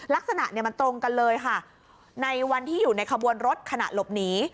ลักษณะเนี่ยมันตรงกันเลยค่ะในวันที่อยู่ในขบวนรถขณะหลบหนี